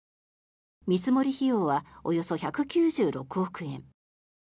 見積費用はおよそ１９６億円。